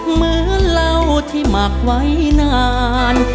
เหมือนเหล้าที่หมักไว้นาน